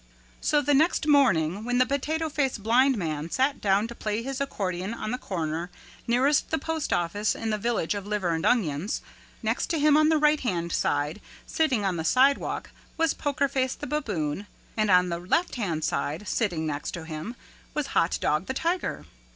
So the next morning when the Potato Face Blind Man sat down to play his accordion on the corner nearest the postoffice in the Village of Liver and Onions, next to him on the right hand side sitting on the sidewalk was Poker Face the Baboon and on the left hand side sitting next to him was Hot Dog the Tiger.